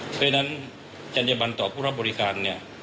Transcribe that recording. เพราะฉะนั้นจัญญบันต่อผู้รับบริการเนี่ย